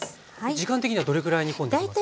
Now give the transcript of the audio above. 時間的にはどれぐらい煮込んでいきますか？